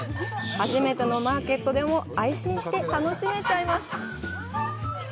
初めてのマーケットでも安心して楽しめちゃいます。